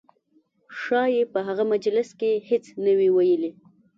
ښایي په هغه مجلس کې هېڅ نه وي ویلي.